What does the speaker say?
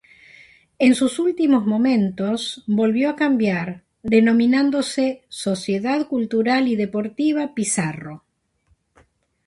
En sus últimos momentos, volvió a cambiar, denominándose "Sociedad Cultural y Deportiva Pizarro".